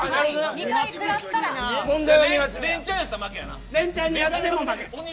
鬼レンチャンやったら負けや。